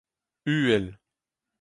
uhel